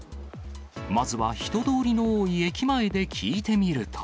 まずは人通りの多い駅前で聞いてみると。